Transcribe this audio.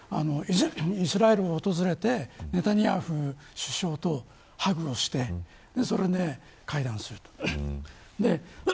イスラエルを訪れてネタニヤフ首相とハグをしてそれで会談すると。